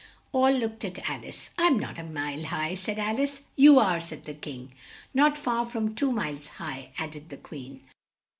All looked at Al ice. "I'm not a mile high," said Al ice. "You are," said the King. "Not far from two miles high," add ed the Queen.